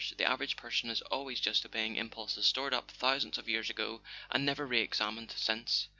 .. The average person is always just obeying impulses stored up thousands, of years ago, and never re examined since."